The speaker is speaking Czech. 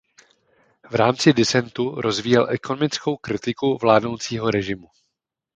V rámci disentu rozvíjel ekonomickou kritiku vládnoucího režimu.